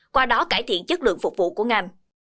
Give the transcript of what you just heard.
qua đó cải thiện chất lượng phục vụ của ngành